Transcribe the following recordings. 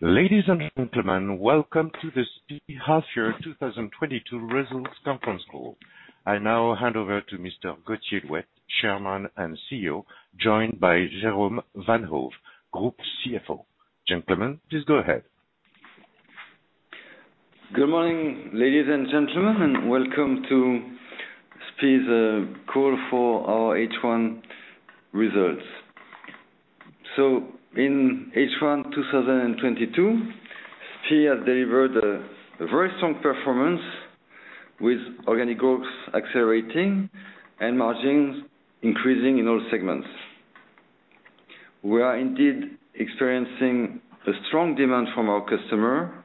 Ladies and gentlemen, welcome to the SPIE half-year 2022 results conference call. I now hand over to Mr. Gauthier Louette, Chairman and Chief Executive Officer, joined by Jérôme Vanhove, Group Chief Financial Officer. Gentlemen, please go ahead. Good morning, ladies and gentlemen, and welcome to SPIE's call for our H1 results. In H1 2022, SPIE has delivered a very strong performance with organic growth accelerating and margins increasing in all segments. We are indeed experiencing a strong demand from our customer.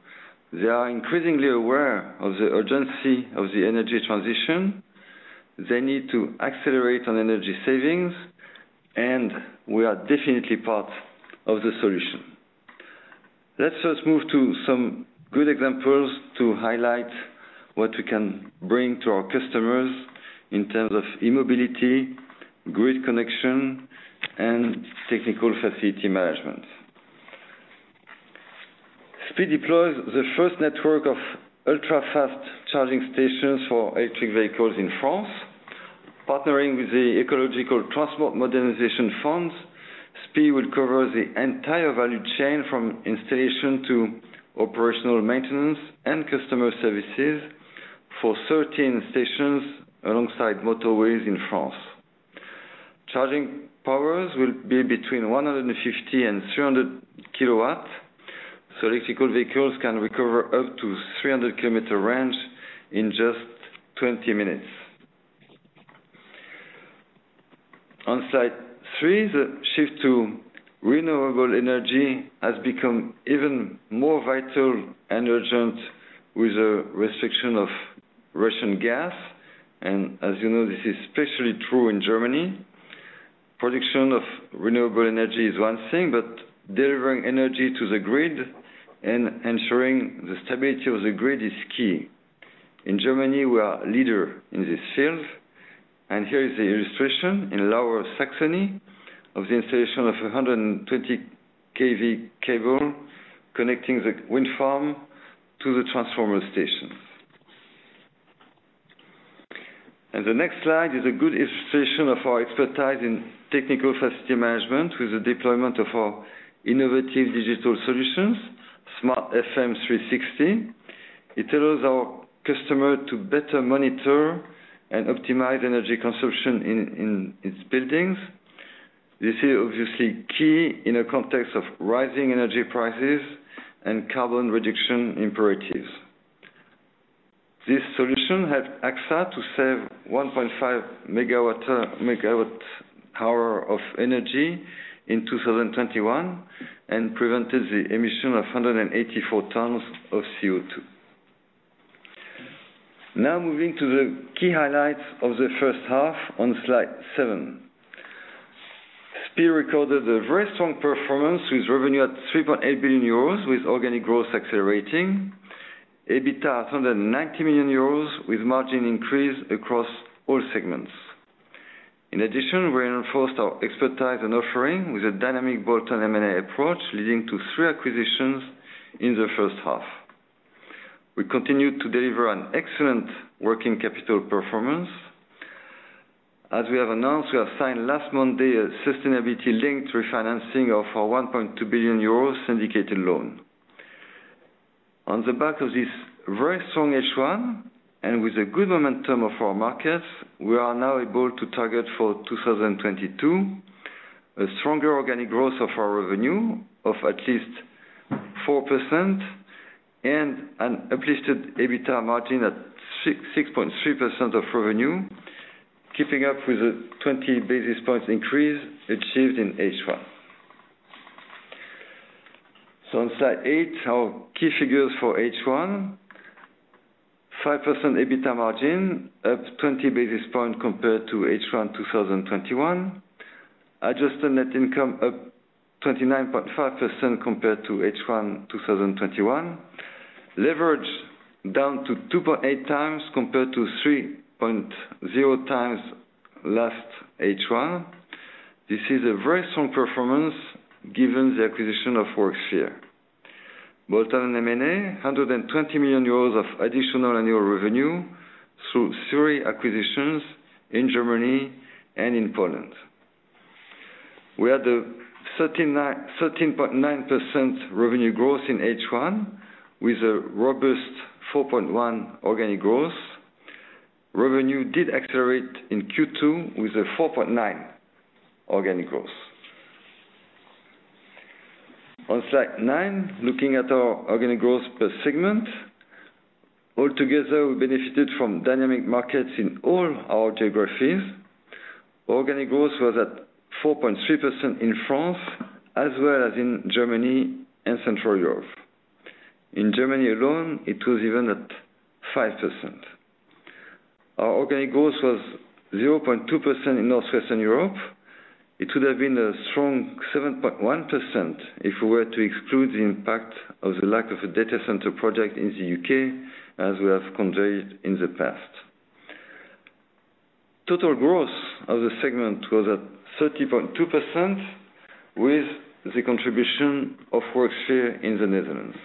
They are increasingly aware of the urgency of the energy transition. They need to accelerate on energy savings, and we are definitely part of the solution. Let's just move to some good examples to highlight what we can bring to our customers in terms of e-mobility, grid connection, and technical facility management. SPIE deploys the first network of ultra-fast charging stations for electric vehicles in France. Partnering with the Ecological Transition Modernization Fund, SPIE will cover the entire value chain from installation to operational maintenance and customer services for 13 stations alongside motorways in France. Charging powers will be between 150 kW and 300 kW, so electric vehicles can recover up to 300 km range in just 20 minutes. On slide three, the shift to renewable energy has become even more vital and urgent with the restriction of Russian gas. As you know, this is especially true in Germany. Production of renewable energy is one thing, but delivering energy to the grid and ensuring the stability of the grid is key. In Germany, we are a leader in this field, and here is the illustration in Lower Saxony of the installation of a 120 kV cable connecting the wind farm to the transformer station. The next slide is a good illustration of our expertise in technical facility management with the deployment of our innovative digital solutions, SMART FM 360°. It allows our customer to better monitor and optimize energy consumption in its buildings. This is obviously key in a context of rising energy prices and carbon reduction imperatives. This solution helped AXA to save 1.5 MW power of energy in 2021 and prevented the emission of 184 tons of CO2. Now moving to the key highlights of the first half on slide seven. SPIE recorded a very strong performance with revenue at 3.8 billion euros, with organic growth accelerating. EBITDA at 190 million euros with margin increase across all segments. In addition, we reinforced our expertise and offering with a dynamic bolt-on M&A approach, leading to three acquisitions in the first half. We continued to deliver an excellent working capital performance. As we have announced, we have signed last Monday a sustainability-linked refinancing of our 1.2 billion euro syndicated loan. On the back of this very strong H1 and with the good momentum of our markets, we are now able to target for 2022 a stronger organic growth of our revenue of at least 4% and an uplifted EBITDA margin at 6%-6.3% of revenue, keeping up with the 20 basis points increase achieved in H1. On slide eight, our key figures for H1. 5% EBITDA margin, up 20 basis points compared to H1 2021. Adjusted net income up 29.5% compared to H1 2021. Leverage down to 2.8x compared to 3.0x last H1. This is a very strong performance given the acquisition of Worksphere. Bolt-on M&A, 120 million euros of additional annual revenue through three acquisitions in Germany and in Poland. We had a 13.9% revenue growth in H1, with a robust 4.1% organic growth. Revenue did accelerate in Q2 with a 4.9% organic growth. On slide nine, looking at our organic growth per segment. Altogether, we benefited from dynamic markets in all our geographies. Organic growth was at 4.3% in France as well as in Germany and Central Europe. In Germany alone, it was even at 5%. Our organic growth was 0.2% in North-Western Europe. It would have been a strong 7.1% if we were to exclude the impact of the lack of a data center project in the U.K., as we have conveyed in the past. Total growth of the segment was at 30.2% with the contribution of Worksphere in the Netherlands.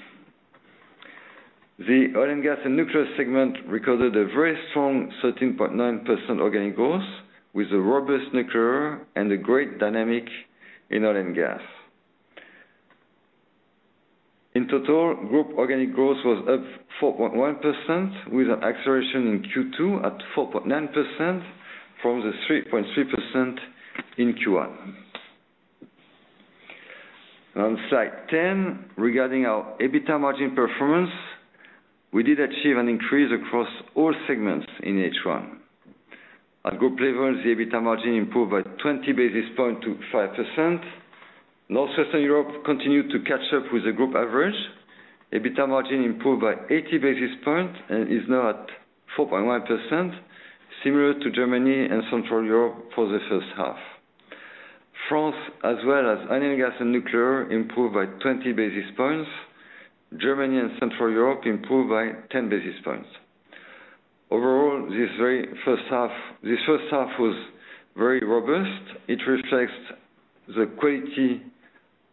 The oil and gas and nuclear segment recorded a very strong 13.9% organic growth with a robust nuclear and a great dynamic in oil and gas. In total, group organic growth was up 4.1% with an acceleration in Q2 at 4.9% from the 3.3% in Q1. On slide 10, regarding our EBITDA margin performance, we did achieve an increase across all segments in H1. At group level, the EBITDA margin improved by 20 basis points to 5%. North-Western Europe continued to catch up with the group average. EBITDA margin improved by 80 basis points and is now at 4.1%, similar to Germany and Central Europe for the first half. France as well as oil and gas and nuclear improved by 20 basis points. Germany and Central Europe improved by 10 basis points. Overall, this first half was very robust. It reflects the quality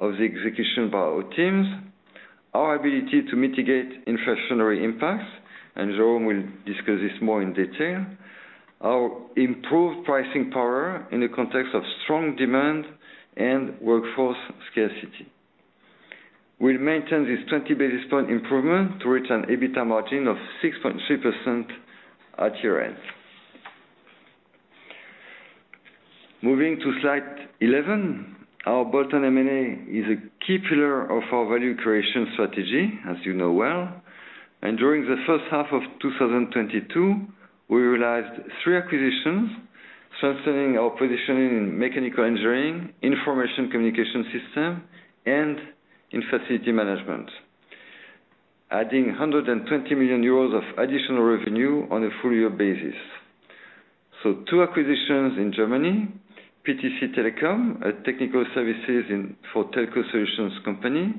of the execution by our teams, our ability to mitigate inflationary impacts, and Jérôme will discuss this more in detail, our improved pricing power in the context of strong demand and workforce scarcity. We'll maintain this 20 basis points improvement to reach an EBITDA margin of 6.3% at year-end. Moving to slide 11. Our bolt-on M&A is a key pillar of our value creation strategy, as you know well. During the first half of 2022, we realized three acquisitions, strengthening our position in mechanical engineering, information communication system, and in facility management, adding 120 million euros of additional revenue on a full year basis. Two acquisitions in Germany, PTC Telecom, a technical services for telecom solutions company,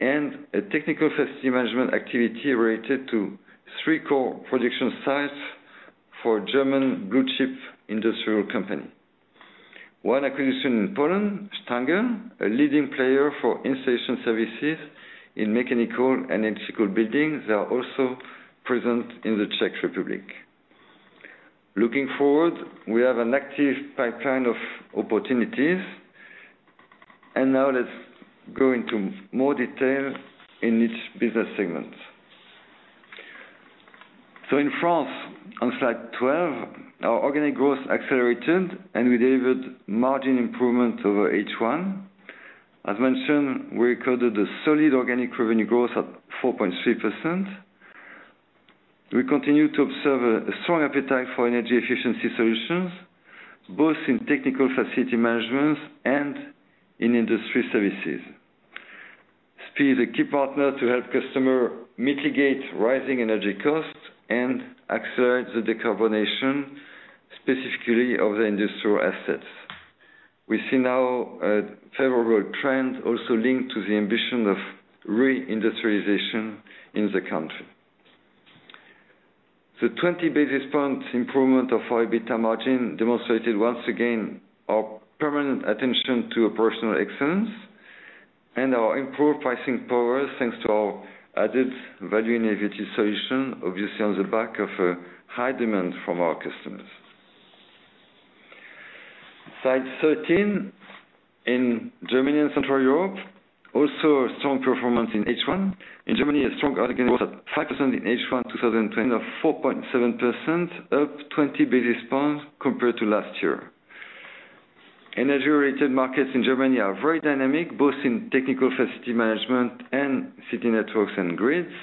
and a technical facility management activity related to 3 core production sites for a German blue chip industrial company. One acquisition in Poland, Stangl Technik, a leading player for installation services in mechanical and electrical buildings. They are also present in the Czech Republic. Looking forward, we have an active pipeline of opportunities. Now let's go into more detail in each business segment. In France, on slide 12, our organic growth accelerated, and we delivered margin improvement over H1. As mentioned, we recorded a solid organic revenue growth of 4.3%. We continue to observe a strong appetite for energy efficiency solutions, both in technical facility management and in industry services. SPIE is a key partner to help customer mitigate rising energy costs and accelerate the decarbonization, specifically of the industrial assets. We see now a favorable trend also linked to the ambition of re-industrialization in the country. The 20 basis point improvement of our EBITDA margin demonstrated once again our permanent attention to operational excellence and our improved pricing power, thanks to our added value innovative solution, obviously on the back of a high demand from our customers. Slide 13. In Germany and Central Europe, also a strong performance in H1. In Germany, a strong organic growth at 5% in H1 2024 of 4.7%, up 20 basis points compared to last year. Energy-related markets in Germany are very dynamic, both in technical facility management and city networks and grids.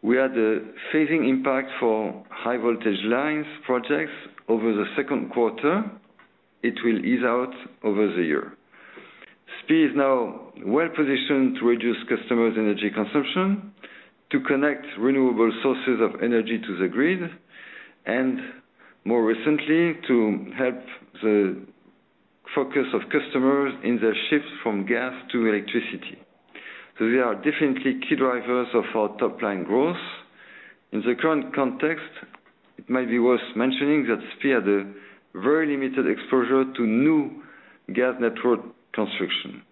We had a phasing impact for high voltage lines projects over the second quarter. It will ease out over the year. SPIE is now well-positioned to reduce customers' energy consumption, to connect renewable sources of energy to the grid, and more recently, to help customers focus on their shift from gas to electricity. They are definitely key drivers of our top line growth. In the current context, it might be worth mentioning that SPIE had a very limited exposure to new gas network construction.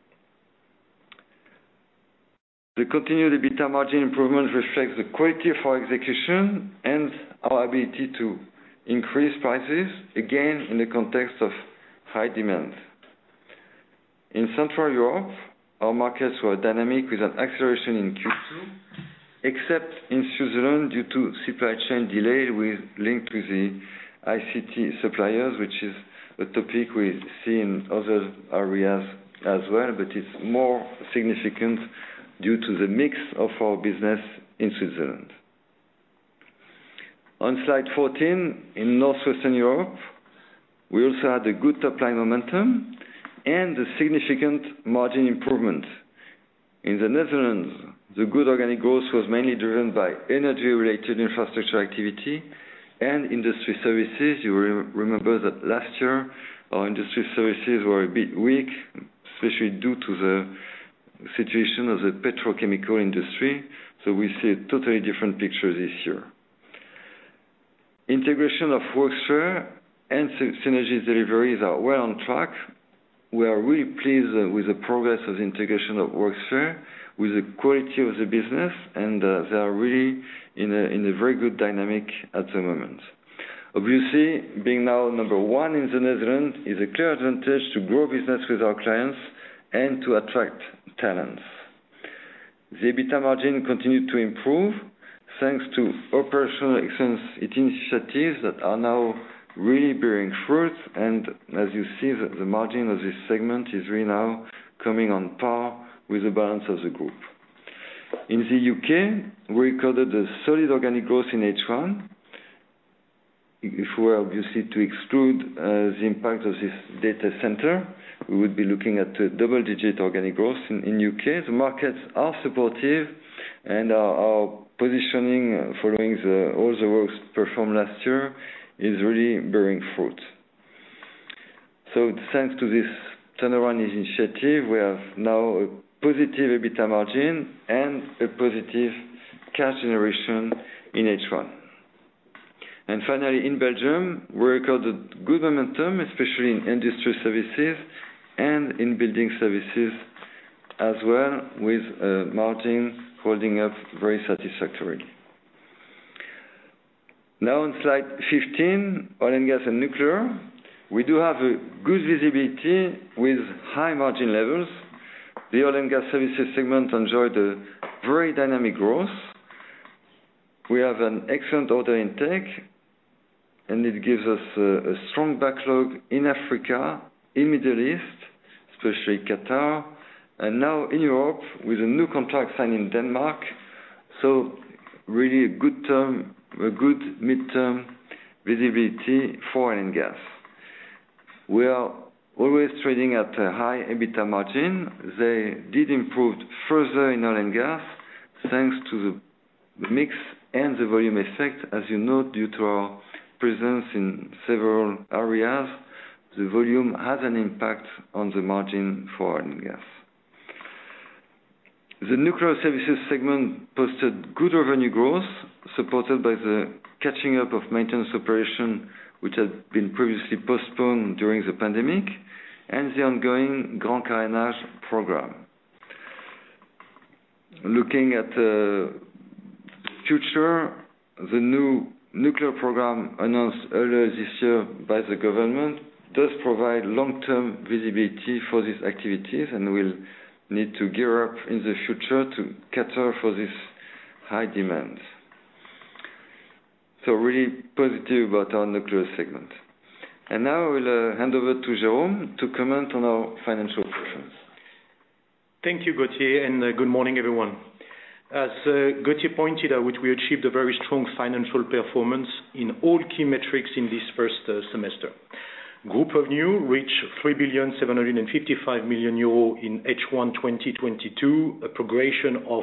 The continued EBITDA margin improvement reflects the quality of our execution and our ability to increase prices, again, in the context of high demand. In Central Europe, our markets were dynamic with an acceleration in Q2, except in Switzerland, due to supply chain delay linked to the ICT suppliers, which is a topic we see in other areas as well, but it's more significant due to the mix of our business in Switzerland. On slide 14, in North-Western Europe, we also had a good top line momentum and a significant margin improvement. In the Netherlands, the good organic growth was mainly driven by energy-related infrastructure activity and industry services. You remember that last year, our industry services were a bit weak, especially due to the situation of the petrochemical industry, so we see a totally different picture this year. Integration of Worksphere and synergy deliveries are well on track. We are really pleased with the progress of the integration of Worksphere, with the quality of the business and they are really in a very good dynamic at the moment. Obviously, being now number one in the Netherlands is a clear advantage to grow business with our clients and to attract talents. The EBITDA margin continued to improve thanks to operational excellence initiatives that are now really bearing fruit, and as you see, the margin of this segment is really now coming on par with the balance of the group. In the U.K., we recorded a solid organic growth in H1. If we are obviously to exclude the impact of this data center, we would be looking at double-digit organic growth in U.K. The markets are supportive and our positioning following all the works performed last year is really bearing fruit. Thanks to this turnaround initiative, we have now a positive EBITDA margin and a positive cash generation in H1. Finally, in Belgium, we recorded good momentum, especially in industry services and in building services as well, with margin holding up very satisfactorily. Now on slide 15, oil and gas and nuclear. We do have good visibility with high margin levels. The oil and gas services segment enjoyed a very dynamic growth. We have an excellent order intake, and it gives us a strong backlog in Africa, in Middle East, especially Qatar, and now in Europe with a new contract signed in Denmark. Really a good midterm visibility for oil and gas. We are always trading at a high EBITDA margin. They did improve further in oil and gas, thanks to the mix and the volume effect. As you know, due to our presence in several areas, the volume has an impact on the margin for oil and gas. The nuclear services segment posted good revenue growth, supported by the catching up of maintenance operation, which had been previously postponed during the pandemic, and the ongoing Grand Carénage program. Looking at future, the new nuclear program announced earlier this year by the government does provide long-term visibility for these activities, and we'll need to gear up in the future to cater for this high demand. Really positive about our nuclear segment. Now I will hand over to Jérôme to comment on our financial performance. Thank you, Gauthier, and good morning, everyone. As Gauthier pointed out, we achieved a very strong financial performance in all key metrics in this first semester. Group revenue reached 3,755 million euro in H1 2022, a progression of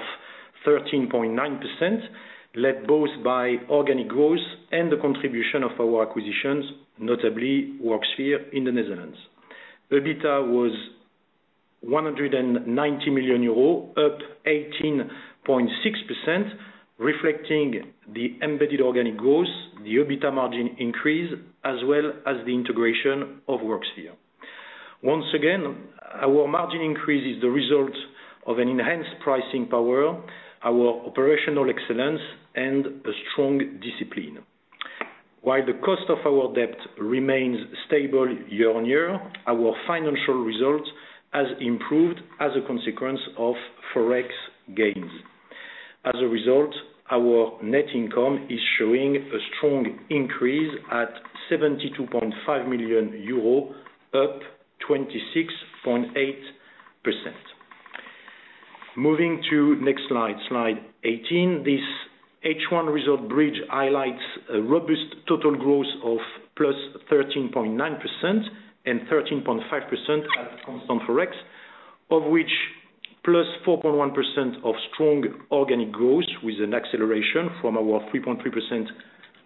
13.9%, led both by organic growth and the contribution of our acquisitions, notably Worksphere in the Netherlands. EBITDA was 190 million euros, up 18.6%, reflecting the embedded organic growth, the EBITDA margin increase, as well as the integration of Worksphere. Once again, our margin increase is the result of an enhanced pricing power, our operational excellence and a strong discipline. While the cost of our debt remains stable year-on-year, our financial results has improved as a consequence of Forex gains. As a result, our net income is showing a strong increase at 72.5 million euro, up 26.8%. Moving to next slide 18. This H1 result bridge highlights a robust total growth of +13.9% and 13.5% at constant Forex, of which +4.1% of strong organic growth with an acceleration from our 3.3%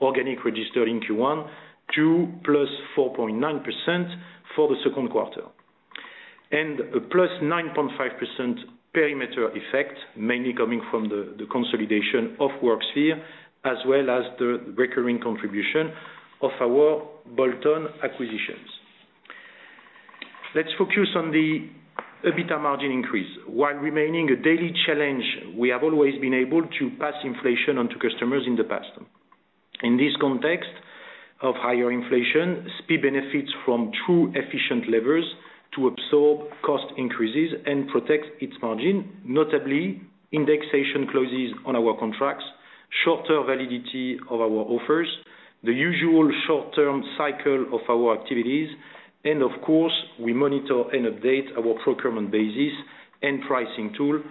organic growth in Q1 to +4.9% for the second quarter. A +9.5% perimeter effect, mainly coming from the consolidation of Worksphere, as well as the recurring contribution of our bolt-on acquisitions. Let's focus on the EBITDA margin increase. While remaining a daily challenge we have always been able to pass inflation on to customers in the past. In this context of higher inflation, SPIE benefits from two efficient levers to absorb cost increases and protect its margin, notably indexation clauses on our contracts, shorter validity of our offers, the usual short-term cycle of our activities, and of course, we monitor and update our procurement basis and pricing tool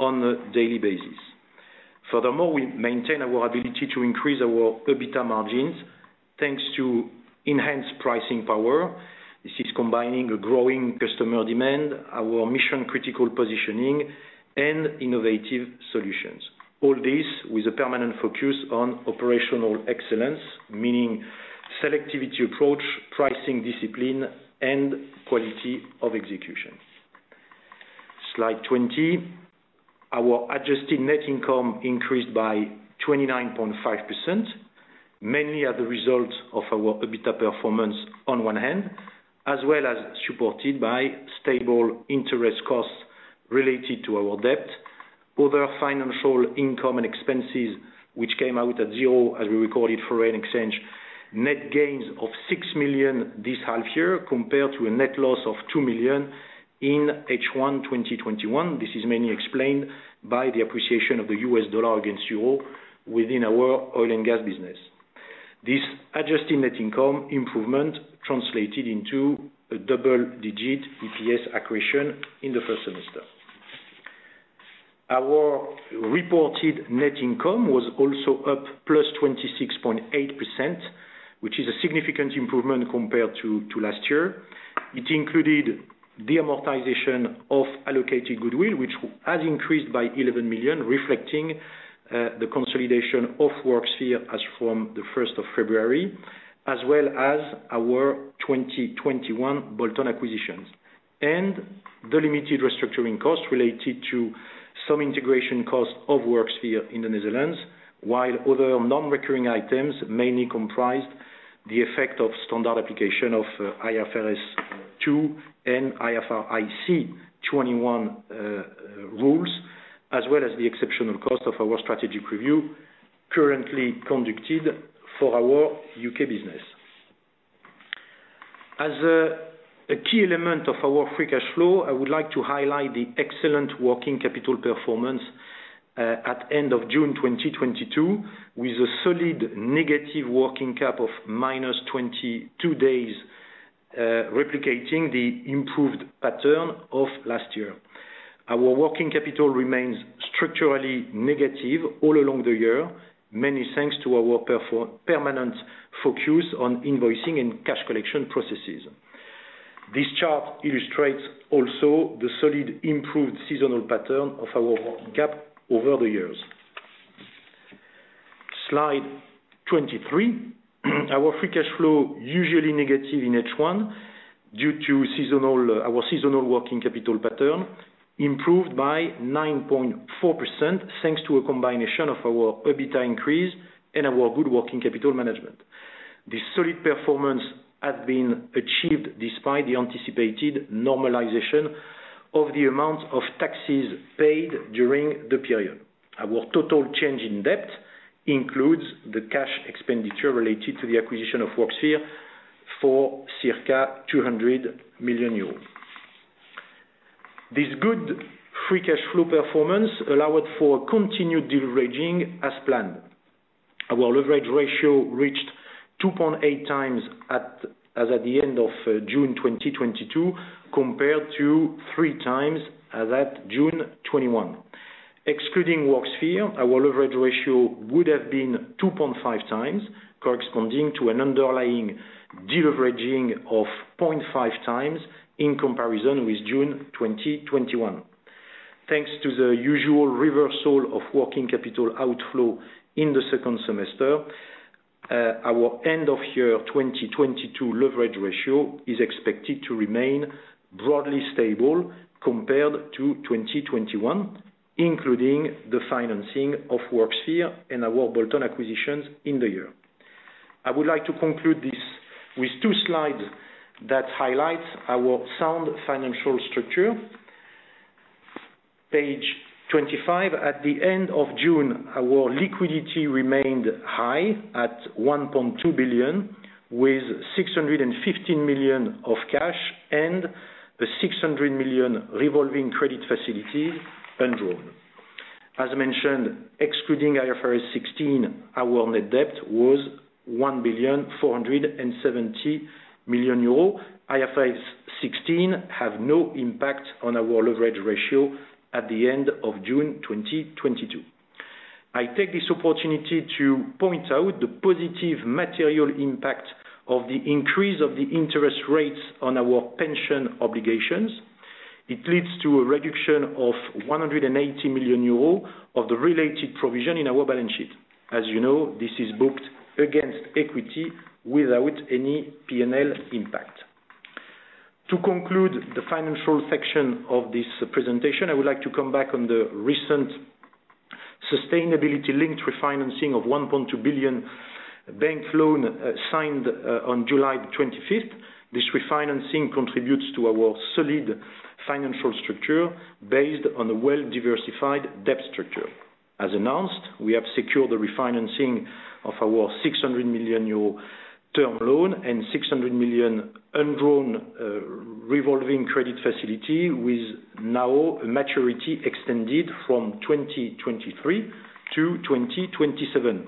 on a daily basis. Furthermore, we maintain our ability to increase our EBITDA margins, thanks to enhanced pricing power. This is combining a growing customer demand, our mission-critical positioning, and innovative solutions. All this with a permanent focus on operational excellence, meaning selectivity approach, pricing discipline, and quality of execution. Slide 20. Our adjusted net income increased by 29.5%, mainly as a result of our EBITDA performance on one hand, as well as supported by stable interest costs related to our debt. Other financial income and expenses, which came out at zero as we recorded foreign exchange. Net gains of 6 million this half year compared to a net loss of 2 million in H1 2021. This is mainly explained by the appreciation of the U.S. dollar against euro within our oil and gas business. This adjusted net income improvement translated into a double-digit EPS accretion in the first semester. Our reported net income was also up +26.8%, which is a significant improvement compared to last year. It included the amortization of allocated goodwill, which has increased by 11 million, reflecting the consolidation of Worksphere as from the first of February, as well as our 2021 bolt-on acquisitions. The limited restructuring costs related to some integration costs of Worksphere in the Netherlands, while other non-recurring items mainly comprised the effect of standard application of IFRS 2 and IFRIC 21 rules, as well as the exceptional cost of our strategic review currently conducted for our UK business. As a key element of our free cash flow, I would like to highlight the excellent working capital performance at end of June 2022, with a solid negative working cap of minus 22 days, replicating the improved pattern of last year. Our working capital remains structurally negative all along the year, mainly thanks to our permanent focus on invoicing and cash collection processes. This chart illustrates also the solid improved seasonal pattern of our working cap over the years. Slide 23. Our free cash flow, usually negative in H1, due to seasonal, our seasonal working capital pattern, improved by 9.4%, thanks to a combination of our EBITDA increase and our good working capital management. This solid performance has been achieved despite the anticipated normalization of the amount of taxes paid during the period. Our total change in debt includes the cash expenditure related to the acquisition of Worksphere for circa 200 million euros. This good free cash flow performance allowed for continued deleveraging as planned. Our leverage ratio reached 2.8x as at the end of June 2022, compared to 3x as at June 2021. Excluding Worksphere, our leverage ratio would have been 2.5x, corresponding to an underlying deleveraging of 0.5x in comparison with June 2021. Thanks to the usual reversal of working capital outflow in the second semester, our end of year 2022 leverage ratio is expected to remain broadly stable compared to 2021, including the financing of Worksphere and our bolt-on acquisitions in the year. I would like to conclude this with two slides that highlight our sound financial structure. Page 25. At the end of June, our liquidity remained high at 1.2 billion, with 615 million of cash and the 600 million revolving credit facility undrawn. As mentioned, excluding IFRS 16, our net debt was 1.47 billion. IFRS 16 have no impact on our leverage ratio at the end of June 2022. I take this opportunity to point out the positive material impact of the increase of the interest rates on our pension obligations. It leads to a reduction of 180 million euros of the related provision in our balance sheet. As you know, this is booked against equity without any P&L impact. To conclude the financial section of this presentation, I would like to come back on the recent sustainability linked refinancing of 1.2 billion bank loan signed on July 25. This refinancing contributes to our solid financial structure based on a well-diversified debt structure. As announced, we have secured the refinancing of our 600 million euro term loan and 600 million undrawn revolving credit facility, with now maturity extended from 2023 to 2027.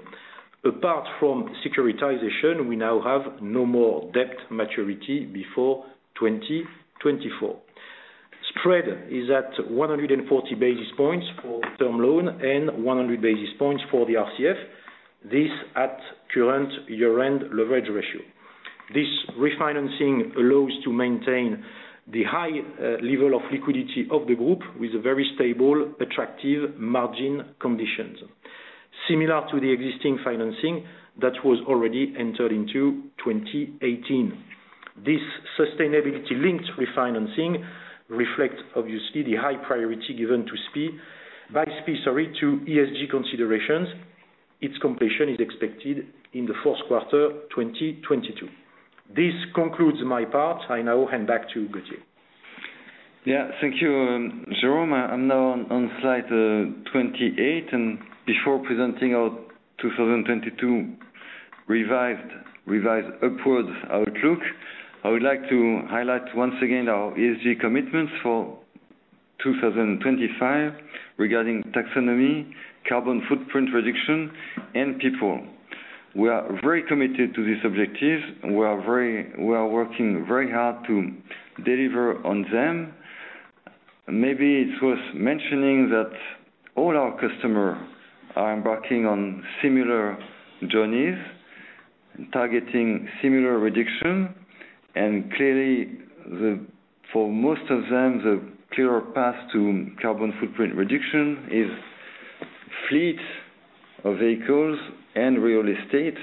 Apart from securitization, we now have no more debt maturity before 2024. Spread is at 140 basis points for term loan and 100 basis points for the RCF. This at current year-end leverage ratio. This refinancing allows to maintain the high level of liquidity of the group with a very stable, attractive margin conditions. Similar to the existing financing that was already entered into 2018. This sustainability linked refinancing reflects, obviously, the high priority given by SPIE, sorry, to ESG considerations. Its completion is expected in the fourth quarter 2022. This concludes my part. I now hand back to Gauthier. Yeah. Thank you, Jérôme. I'm now on slide 28. Before presenting our 2022 revised upward outlook, I would like to highlight once again our ESG commitments for 2025 regarding taxonomy, carbon footprint reduction, and people. We are very committed to this objective, and we are working very hard to deliver on them. Maybe it's worth mentioning that all our customers are embarking on similar journeys, targeting similar reduction. Clearly, for most of them, the clearer path to carbon footprint reduction is fleet of vehicles and real estate.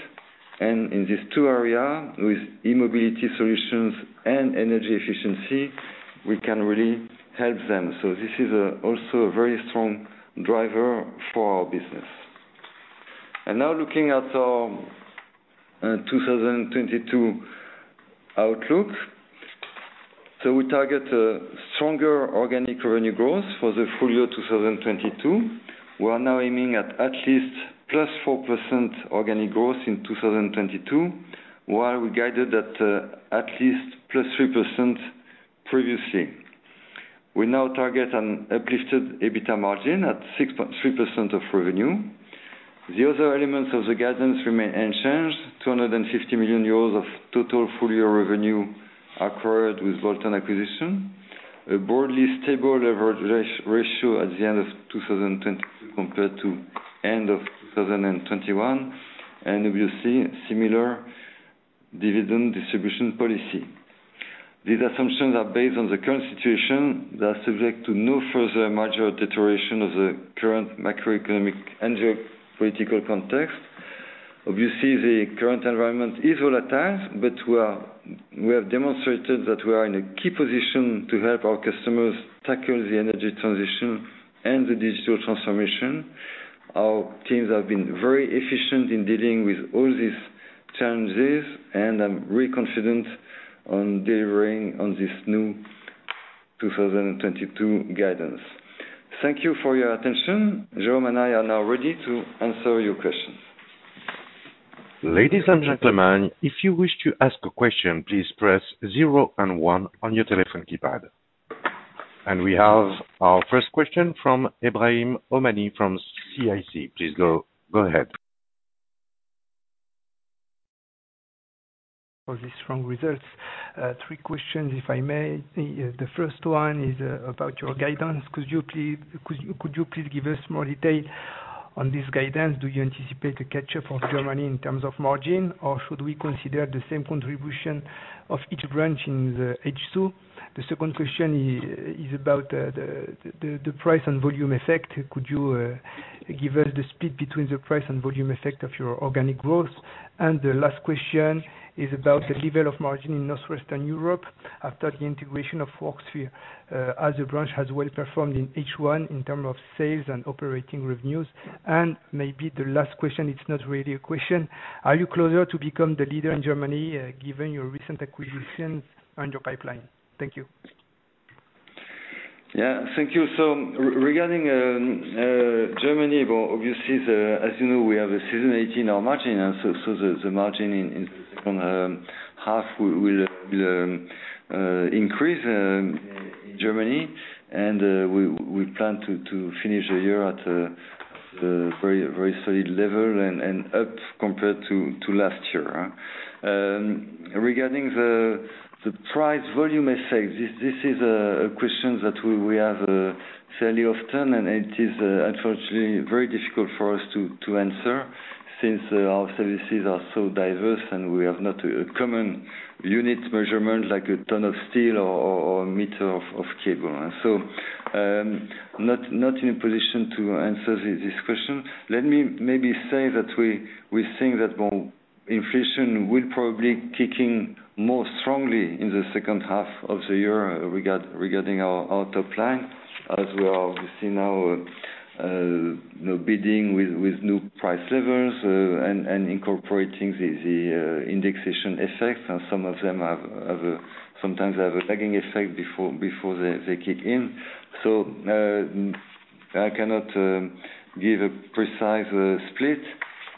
In these two areas, with e-mobility solutions and energy efficiency, we can really help them. This is also a very strong driver for our business. Now looking at our 2022 outlook. We target a stronger organic revenue growth for the full year 2022. We are now aiming at least +4% organic growth in 2022, while we guided at least +3% previously. We now target an uplifted EBITDA margin at 6.3% of revenue. The other elements of the guidance remain unchanged. 250 million euros of total full-year revenue acquired with bolt-on acquisition. A broadly stable leverage ratio at the end of 2022 compared to end of 2021. Obviously, similar dividend distribution policy. These assumptions are based on the current situation. They are subject to no further major deterioration of the current macroeconomic and geopolitical context. Obviously, the current environment is volatile, but we have demonstrated that we are in a key position to help our customers tackle the energy transition and the digital transformation. Our teams have been very efficient in dealing with all these challenges, and I'm very confident on delivering on this new 2022 guidance. Thank you for your attention. Jérôme and I are now ready to answer your questions. Ladies and gentlemen, if you wish to ask a question, please press zero and one on your telephone keypad. We have our first question from Ebrahim Homani from CIC. Please go ahead. For the strong results, three questions if I may. The first one is about your guidance. Could you please give us more detail on this guidance? Do you anticipate a catch-up of Germany in terms of margin, or should we consider the same contribution of each branch in the H2? The second question is about the price and volume effect. Could you give us the split between the price and volume effect of your organic growth? The last question is about the level of margin in North-Western Europe after the integration of Worksphere, as the branch has well performed in H1 in terms of sales and operating revenues. Maybe the last question, it's not really a question. Are you closer to become the leader in Germany, given your recent acquisitions and your pipeline? Thank you. Yeah. Thank you. Regarding Germany, well, obviously as you know, we have a seasonality in our margin. The margin in the second half will increase in Germany. We plan to finish the year at a very solid level and up compared to last year. Regarding the price volume effect, this is a question that we have fairly often, and it is unfortunately very difficult for us to answer since our services are so diverse, and we have not a common unit measurement like a ton of steel or a meter of cable. Not in a position to answer this question. Let me maybe say that we think that more inflation will probably kicking more strongly in the second half of the year regarding our top line, as we are obviously now, you know, bidding with new price levels, and incorporating the indexation effect. Some of them sometimes have a tagging effect before they kick in. I cannot give a precise split.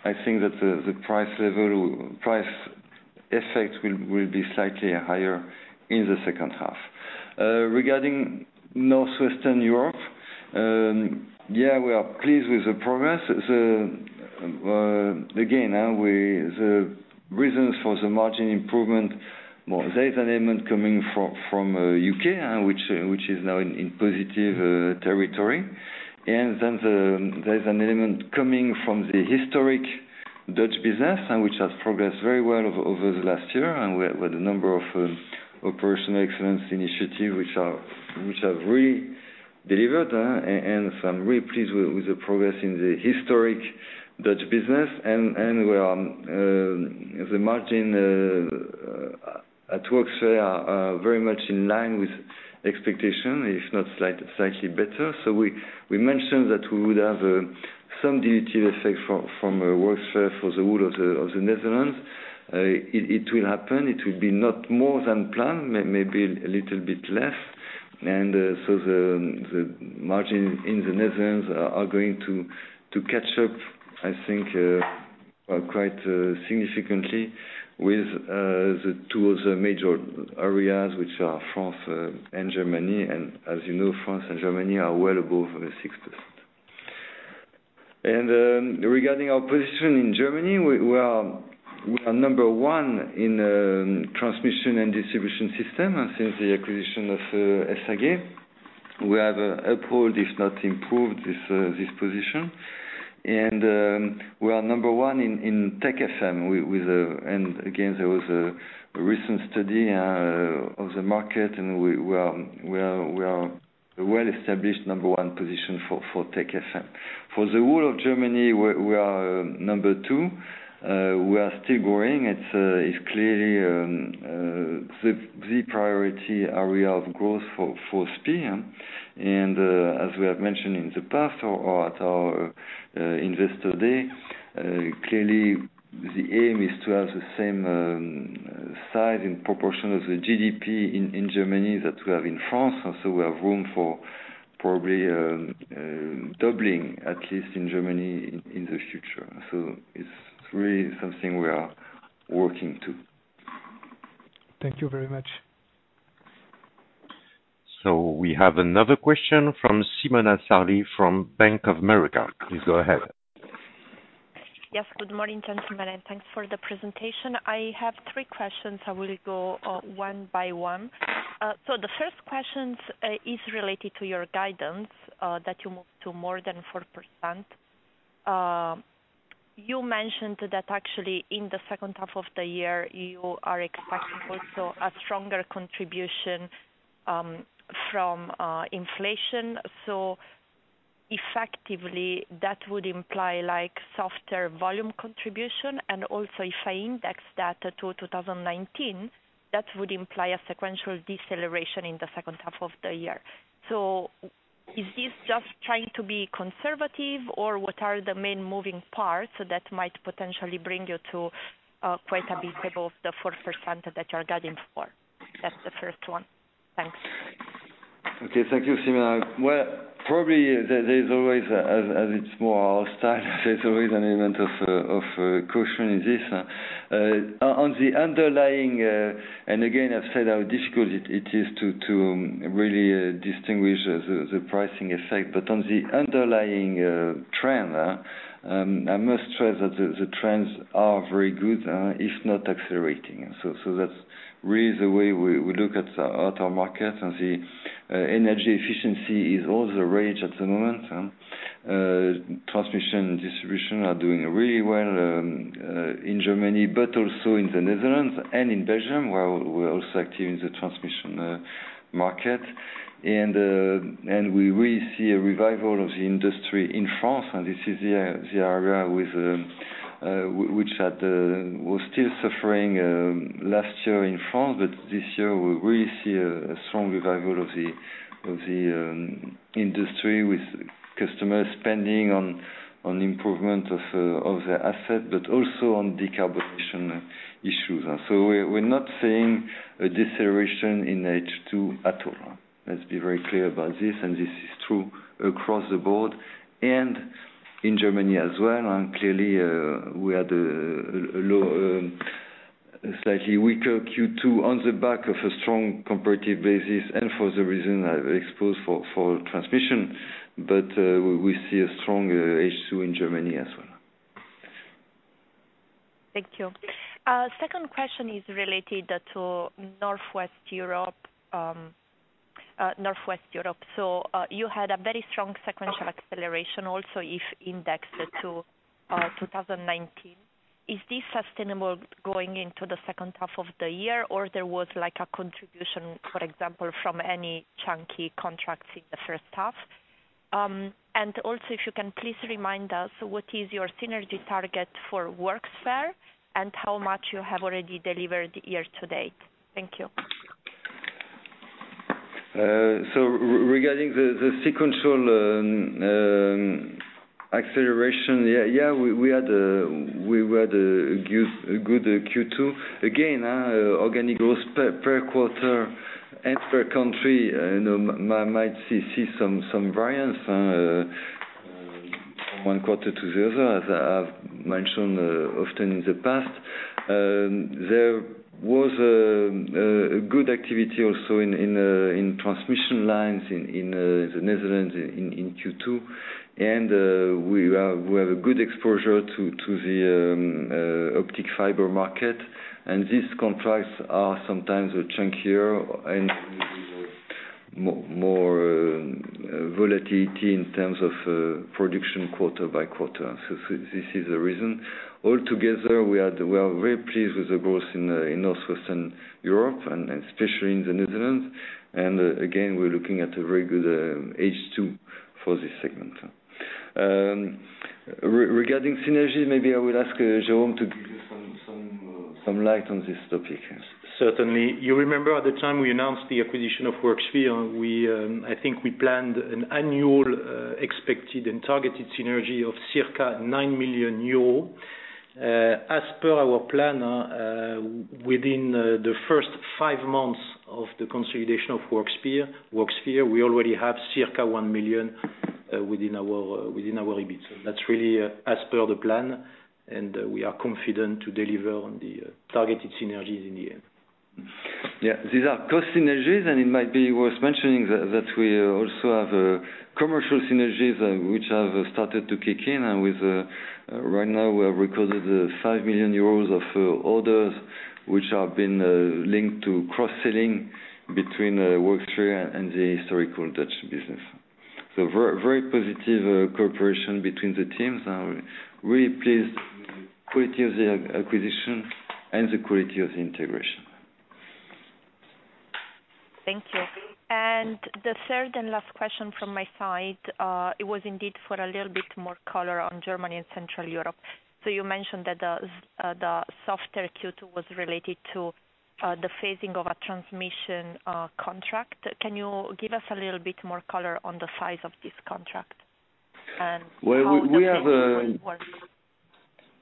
I think that the price level, price effect will be slightly higher in the second half. Regarding North-Western Europe, yeah, we are pleased with the progress. The reasons for the margin improvement. Well, there's an element coming from U.K., which is now in positive territory. There's an element coming from the historic Dutch business and which has progressed very well over the last year. We had a number of operational excellence initiatives which have really delivered, and so I'm really pleased with the progress in the historic Dutch business. We are, the margins at Worksphere are very much in line with expectation, if not slightly better. We mentioned that we would have some dilutive effect from Worksphere for the whole of the Netherlands. It will happen. It will be not more than planned, maybe a little bit less. The margin in the Netherlands is going to catch up, I think, quite significantly with the two other major areas which are France and Germany. As you know, France and Germany are well above the 6%. Regarding our position in Germany, we are number one in transmission and distribution systems since the acquisition of SAG. We have upheld, if not improved, this position. We are number one in TechFM. And again, there was a recent study of the market, and we are a well-established number one position for TechFM. For the whole of Germany, we are number two. We are still growing. It's clearly the priority area of growth for SPIE. As we have mentioned in the past or at our investor day, clearly the aim is to have the same size in proportion of the GDP in Germany that we have in France. Also, we have room for probably doubling, at least in Germany in the future. It's really something we are working to. Thank you very much. We have another question from Simona Sarli from Bank of America. Please go ahead. Yes. Good morning, gentlemen, and thanks for the presentation. I have three questions. I will go one by one. The first question is related to your guidance that you move to more than 4%. You mentioned that actually in the second half of the year you are expecting also a stronger contribution from inflation. Effectively, that would imply like softer volume contribution. Also if I index that to 2019, that would imply a sequential deceleration in the second half of the year. Is this just trying to be conservative or what are the main moving parts that might potentially bring you to quite a bit above the 4% that you're guiding for? That's the first one. Thanks. Okay. Thank you, Simona. Well, probably there's always, as it's more our style, there's always an element of caution in this. On the underlying, and again, I've said how difficult it is to really distinguish the pricing effect. On the underlying trend, I must stress that the trends are very good, if not accelerating. That's really the way we look at our market. The energy efficiency is all the rage at the moment. Transmission and distribution are doing really well in Germany, but also in the Netherlands and in Belgium, where we're also active in the transmission market. We really see a revival of the industry in France, and this is the area which was still suffering last year in France. This year we really see a strong revival of the industry with customers spending on improvement of their assets, but also on decarbonization issues. We're not seeing a deceleration in H2 at all. Let's be very clear about this, and this is true across the board and in Germany as well. Clearly we had a slightly weaker Q2 on the back of a strong comparative basis and for the reason I've exposed for transmission. We see a strong H2 in Germany as well. Thank you. Second question is related to North-West Europe. You had a very strong sequential acceleration also if indexed to 2019. Is this sustainable going into the second half of the year, or there was like a contribution, for example, from any chunky contracts in the first half? Also if you can please remind us what is your synergy target for Worksphere and how much you have already delivered year to date. Thank you. Regarding the sequential acceleration, we had a good Q2. Again, organic growth per quarter and per country might see some variance from one quarter to the other, as I have mentioned often in the past. There was a good activity also in transmission lines in the Netherlands in Q2. We have a good exposure to the optic fiber market, and these contracts are sometimes chunkier and more volatility in terms of production quarter by quarter. This is the reason. All together, we are very pleased with the growth in North-Western Europe and especially in the Netherlands. Again, we're looking at a very good H2 for this segment. Regarding synergies, maybe I will ask Jérôme to give you some light on this topic. Yes Certainly. You remember at the time we announced the acquisition of Worksphere, we, I think we planned an annual, expected and targeted synergy of circa 9 million euros. As per our plan, within the first five months of the consolidation of Worksphere, we already have circa 1 million within our EBITDA. That's really as per the plan, and we are confident to deliver on the targeted synergies in the end. Yeah. These are cost synergies, and it might be worth mentioning that we also have commercial synergies which have started to kick in. Right now, we have recorded 5 million euros of orders which have been linked to cross-selling between Worksphere and the historical Dutch business. Very positive cooperation between the teams, and we're really pleased with the quality of the acquisition and the quality of the integration. Thank you. The third and last question from my side, it was indeed for a little bit more color on Germany and Central Europe. You mentioned that the softer Q2 was related to the phasing of a transmission contract. Can you give us a little bit more color on the size of this contract and how the phasing will work?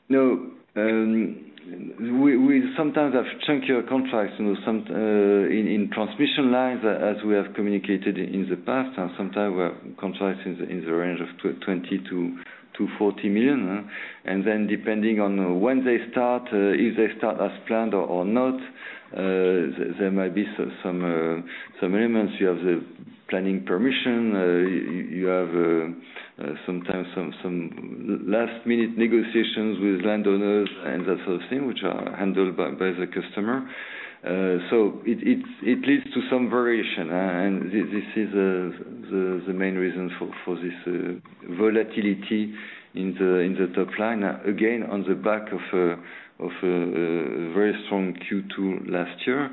Well, we sometimes have chunkier contracts, you know, some in transmission lines, as we have communicated in the past, and sometimes we have contracts in the range of 20-40 million. Then depending on when they start, if they start as planned or not, there might be some elements. You have the planning permission, you have sometimes some last-minute negotiations with landowners and that sort of thing, which are handled by the customer. So it leads to some variation. This is the main reason for this volatility in the top line. Again, on the back of a very strong Q2 last year.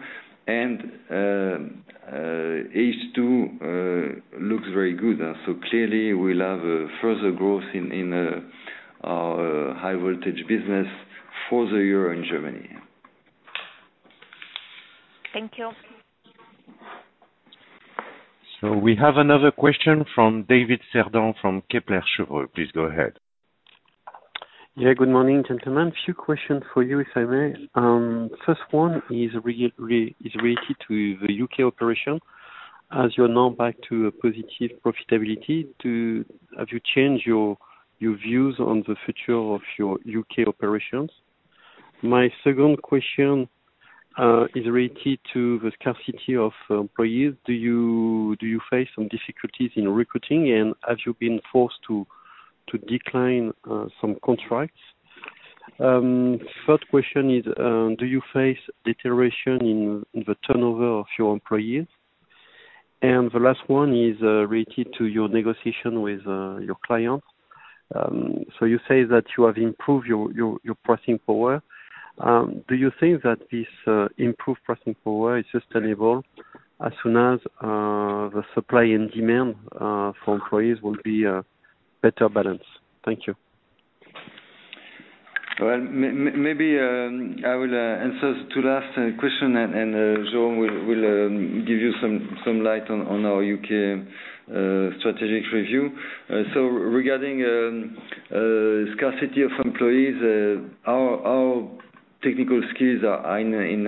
H2 looks very good. Clearly we'll have further growth in our high voltage business for the year in Germany. Thank you. We have another question from David Cerdan from Kepler Cheuvreux. Please go ahead. Yeah. Good morning, gentlemen. A few questions for you, if I may. First one is related to the U.K. operation. As you are now back to a positive profitability, have you changed your views on the future of your U.K. operations? My second question is related to the scarcity of employees. Do you face some difficulties in recruiting, and have you been forced to decline some contracts? Third question is, do you face deterioration in the turnover of your employees? The last one is related to your negotiation with your clients. So you say that you have improved your pricing power. Do you think that this improved pricing power is sustainable as soon as the supply and demand for employees will be better balanced? Thank you. Well, maybe I will answer the two last questions, and Jérôme Vanhove will give you some light on our U.K. strategic review. Regarding scarcity of employees, our technical skills are in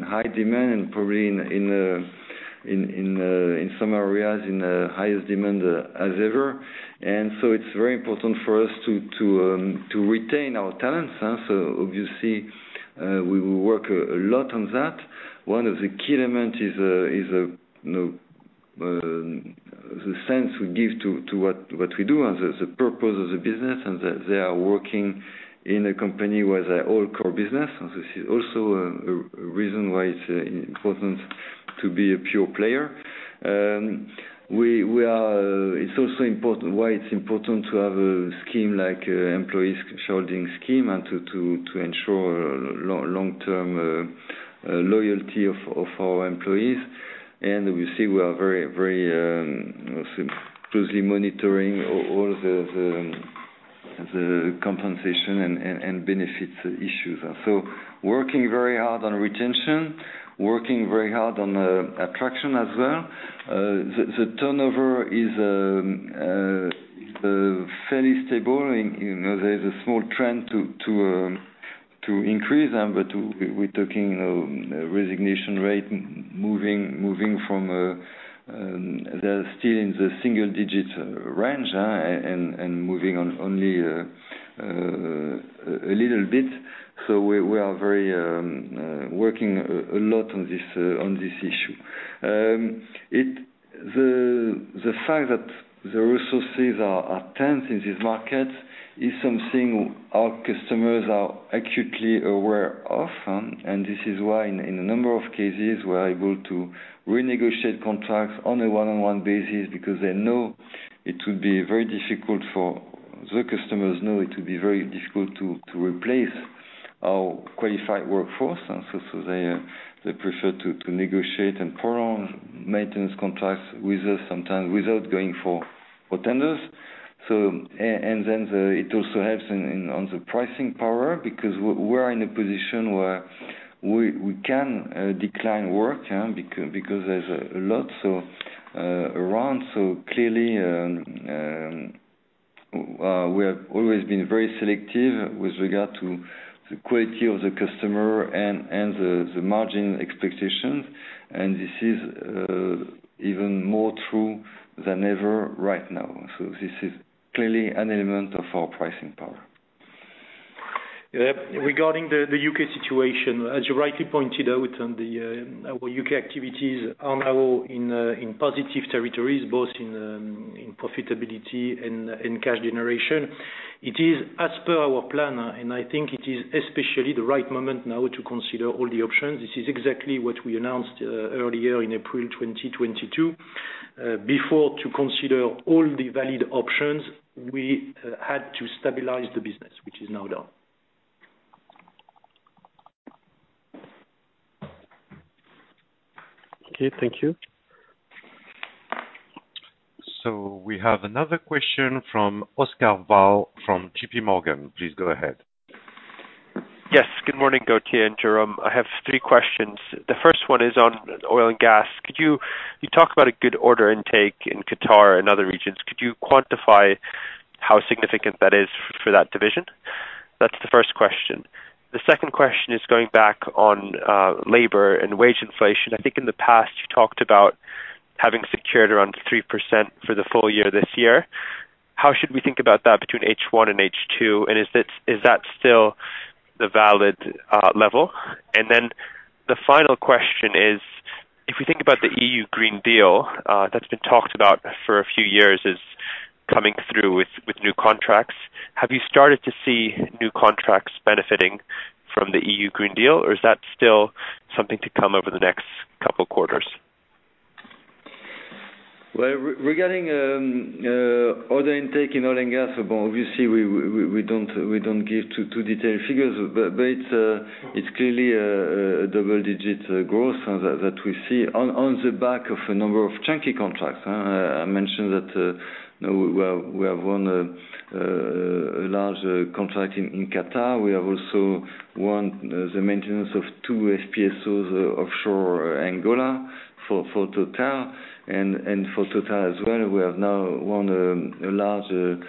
higher demand, and probably in some areas in highest demand as ever. It's very important for us to retain our talents. Obviously, we will work a lot on that. One of the key elements is, you know, the sense we give to what we do and the purpose of the business, and that they are working in a company with an all-core business. This is also a reason why it's important to be a pure player. It's also important why it's important to have a scheme like employee's holding scheme and to ensure long-term loyalty of our employees. We see we are very closely monitoring all the compensation and benefits issues. Working very hard on retention, working very hard on attraction as well. The turnover is fairly stable. You know, there's a small trend to increase them, but we're talking, you know, resignation rate moving from, they're still in the single digit range, and moving on only a little bit. We are very working a lot on this issue. The fact that the resources are tense in this market is something our customers are acutely aware of, and this is why in a number of cases, we're able to renegotiate contracts on a one-on-one basis because they know it will be very difficult to replace our qualified workforce. They prefer to negotiate and prolong maintenance contracts with us sometimes without going for tenders. It also helps on the pricing power because we're in a position where we can decline work because there's a lot around. Clearly, we have always been very selective with regard to the quality of the customer and the margin expectations. This is even more true than ever right now. This is clearly an element of our pricing power. Yep. Regarding the U.K. situation, as you rightly pointed out, our U.K. activities are now in positive territories, both in profitability and cash generation. It is as per our plan, and I think it is especially the right moment now to consider all the options. This is exactly what we announced earlier in April 2022. Before to consider all the valid options, we had to stabilize the business which is now done. Okay. Thank you. We have another question from Oscar Val Mas from J.P. Morgan. Please go ahead. Yes. Good morning, Gauthier and Jérôme. I have three questions. The first one is on oil and gas. You talk about a good order intake in Qatar and other regions. Could you quantify how significant that is for that division? That's the first question. The second question is going back on labor and wage inflation. I think in the past, you talked about having secured around 3% for the full year this year. How should we think about that between H1 and H2? And is that still the valid level? The final question is, if we think about the European Green Deal, that's been talked about for a few years, is coming through with new contracts. Have you started to see new contracts benefiting from the European Green Deal, or is that still something to come over the next couple quarters? Well, regarding order intake in oil and gas, well, obviously, we don't give too detailed figures. It's clearly a double-digit growth that we see on the back of a number of chunky contracts. I mentioned that, you know, we have won a large contract in Qatar. We have also won the maintenance of 2 FPSOs offshore Angola for TotalEnergies. For TotalEnergies as well, we have now won a large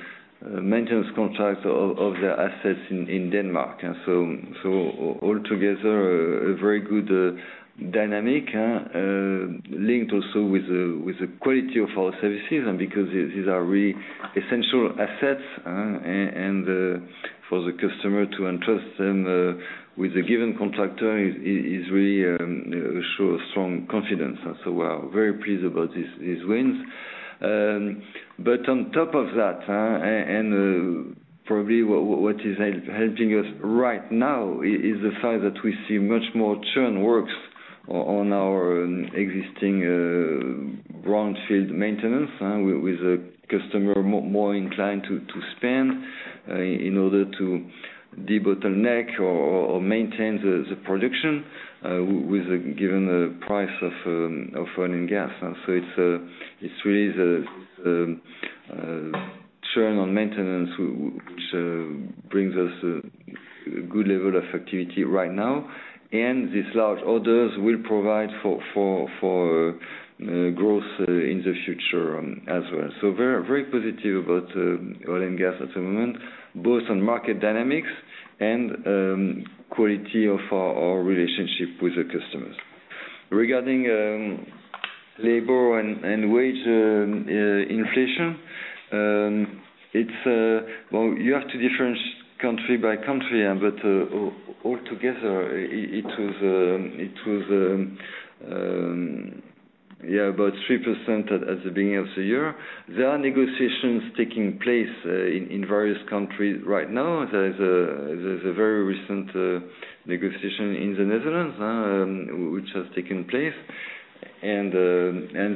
maintenance contract of their assets in Denmark. All together, a very good dynamic linked also with the quality of our services. Because these are really essential assets, and for the customer to entrust them with a given contractor really shows strong confidence. We are very pleased about these wins. On top of that, probably what is helping us right now is the fact that we see much more churn works on our existing brownfield maintenance with a customer more inclined to spend in order to debottleneck or maintain the production with, given the price of oil and gas. It's really the churn on maintenance which brings us a good level of activity right now. These large orders will provide for growth in the future as well. Very positive about oil and gas at the moment, both on market dynamics and quality of our relationship with the customers. Regarding labor and wage inflation, it's well, you have to differentiate country by country, but all together, it was about 3% at the beginning of the year. There are negotiations taking place in various countries right now. There's a very recent negotiation in the Netherlands which has taken place. And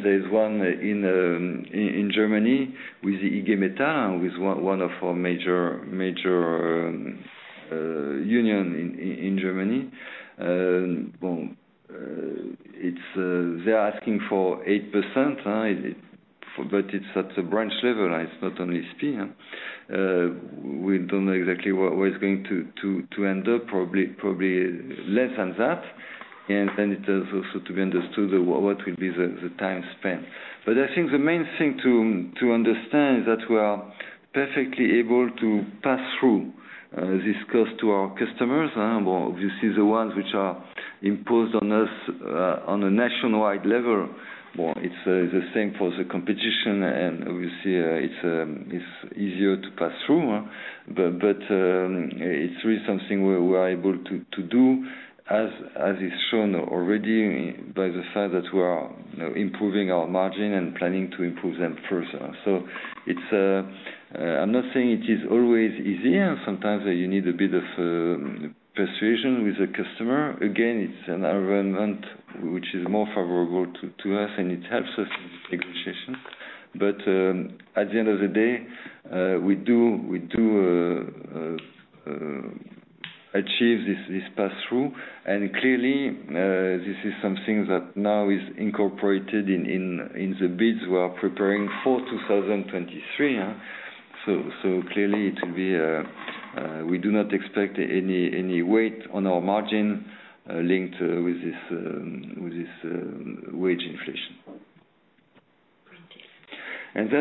there's one in Germany with IG Metall, with one of our major union in Germany. They're asking for 8%, but it's at the branch level, it's not only SPIE. We don't know exactly where it's going to end up, probably less than that. It is also to be understood what will be the time spent. I think the main thing to understand is that we are perfectly able to pass through this cost to our customers, well, obviously the ones which are imposed on us on a nationwide level. Well, it's the same for the competition, and obviously, it's easier to pass through. It's really something we are able to do as is shown already by the fact that we are, you know, improving our margin and planning to improve them further. I'm not saying it is always easy. Sometimes you need a bit of persuasion with the customer. Again, it's an environment which is more favorable to us, and it helps us in the negotiation. At the end of the day, we do achieve this pass-through. Clearly, this is something that now is incorporated in the bids we are preparing for 2023. Clearly, we do not expect any weight on our margin linked with this wage inflation.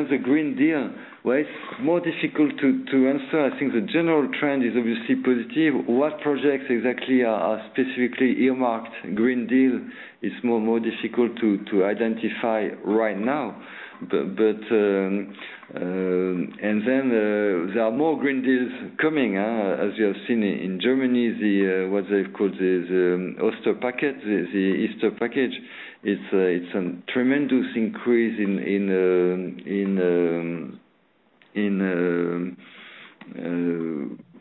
The Green Deal. Well, it's more difficult to answer. I think the general trend is obviously positive. What projects exactly are specifically earmarked Green Deal is more difficult to identify right now. There are more green deals coming, as you have seen in Germany, what they call the Easter Package. It's a tremendous increase in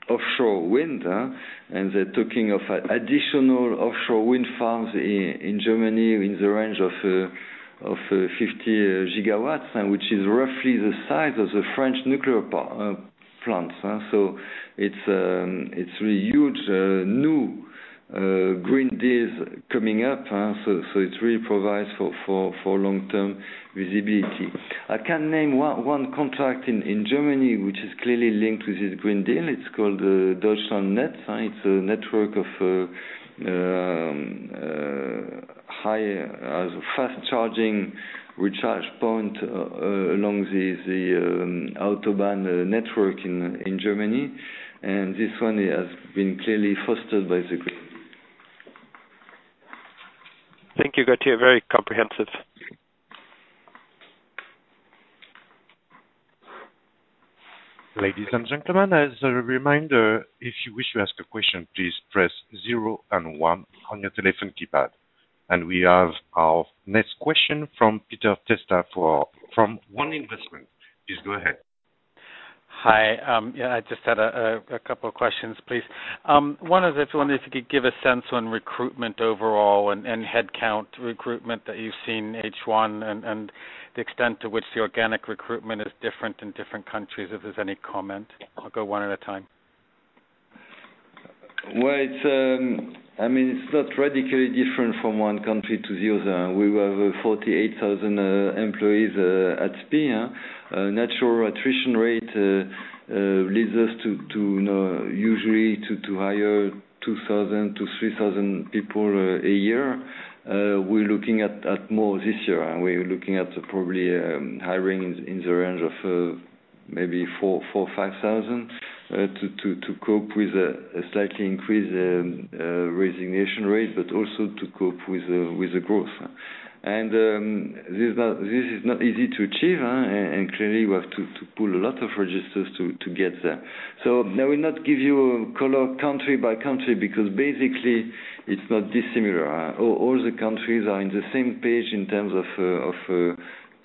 offshore wind. They're talking of additional offshore wind farms in Germany in the range of 50 GW, which is roughly the size of the French nuclear plants. So it's really huge, new green deals coming up. So it really provides for long-term visibility. I can name one contract in Germany, which is clearly linked with this Green Deal. It's called Deutschlandnetz. It's a network of high fast charging recharge point along the autobahn network in Germany. This one has been clearly fostered by the Green Deal. Thank you, Gauthier. Very comprehensive. Ladies and gentlemen, as a reminder, if you wish to ask a question, please press zero and one on your telephone keypad. We have our next question from Peter Testa from One Investment. Please go ahead. Hi Yeah I just had a couple of questions, please. One is wonder if you could give a sense on recruitment overall and head count recruitment that you've seen H1, and the extent to which the organic recruitment is different in different countries, if there's any comment. I'll go one at a time. Well, I mean, it's not radically different from one country to the other. We were 48,000 employees at SPIE. Natural attrition rate leads us to usually hire 2,000-3,000 people a year. We're looking at more this year. We're looking at probably hiring in the range of maybe 4,000-5,000 to cope with a slightly increased resignation rate, but also to cope with the growth. This is not easy to achieve, and clearly we have to pull a lot of registers to get there. I will not give you color country by country because basically it's not dissimilar. All the countries are on the same page in terms of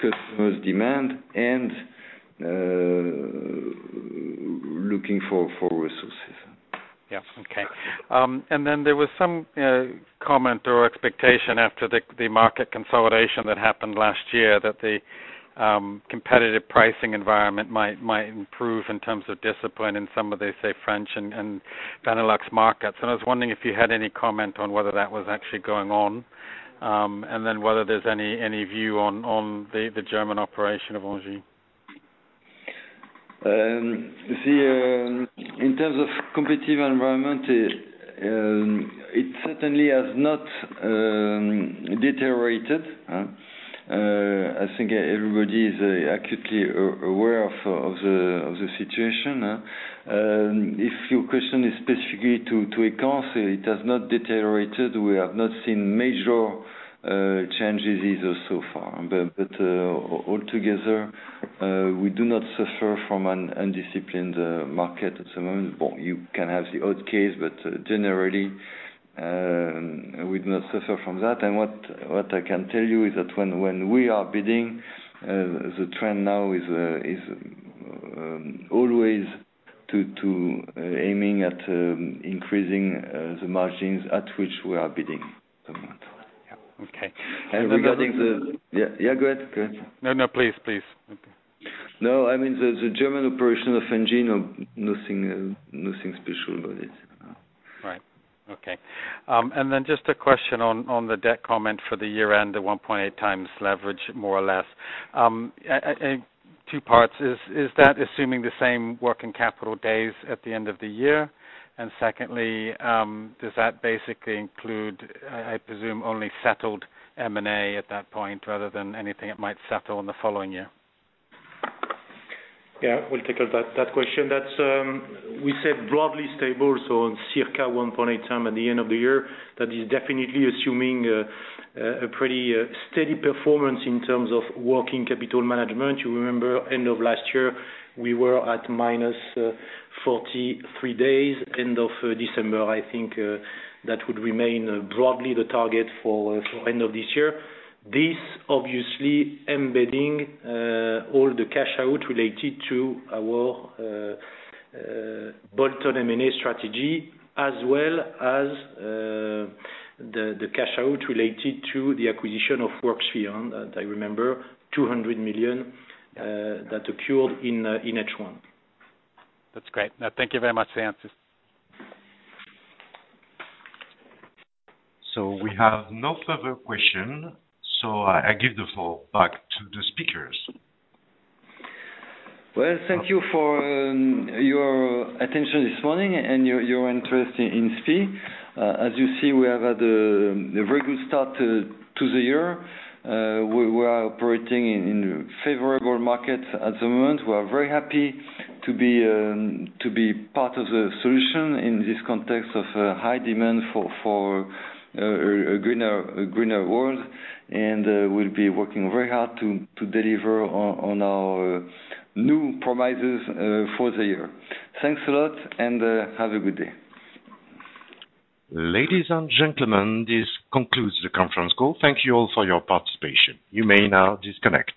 customer's demand and looking for resources. Yes. Okay. There was some comment or expectation after the market consolidation that happened last year that the competitive pricing environment might improve in terms of discipline in some of, let's say, French and Benelux markets. I was wondering if you had any comment on whether that was actually going on. Whether there's any view on the German operation of ENGIE. You see, in terms of competitive environment, it certainly has not deteriorated. I think everybody is acutely aware of the situation. If your question is specifically to Equans, it has not deteriorated. We have not seen major changes either so far. Altogether, we do not suffer from an undisciplined market at the moment. Well, you can have the odd case, but generally, we do not suffer from that. What I can tell you is that when we are bidding, the trend now is always aiming at increasing the margins at which we are bidding at the moment. Yeah. Okay. Regarding the- One more- Yeah, yeah, go ahead. Go ahead. No, please. Okay. No, I mean, the German operation of ENGIE, nothing special about it. Right. Okay. Just a question on the debt comment for the year-end, the 1.8x leverage, more or less. Two parts. Is that assuming the same working capital days at the end of the year? Secondly, does that basically include, I presume, only settled M&A at that point rather than anything it might settle in the following year? Yeah. We'll take care of that question. That's we said broadly stable, so circa 1.8x at the end of the year. That is definitely assuming a pretty steady performance in terms of working capital management. You remember end of last year, we were at -43 days end of December. I think that would remain broadly the target for end of this year. This obviously embedding all the cash out related to our bolt-on M&A strategy, as well as the cash out related to the acquisition of Worksphere, that I remember, 200 million, that occurred in H1. That's great. No, thank you very much for the answers. We have no further question, so I give the floor back to the speakers. Well, thank you for your attention this morning and your interest in SPIE. As you see, we have had a very good start to the year. We are operating in favorable markets at the moment. We are very happy to be part of the solution in this context of high demand for a greener world. We'll be working very hard to deliver on our new promises for the year. Thanks a lot, and have a good day. Ladies and gentlemen, this concludes the conference call. Thank you all for your participation. You may now disconnect.